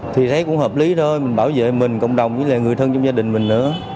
thì thấy cũng hợp lý thôi mình bảo vệ mình cộng đồng với người thân trong gia đình mình nữa